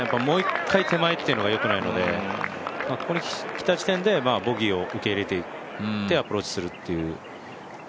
もう一回手前というのがよくないので、ここに来た時点でボギーを受け入れてアプローチするという。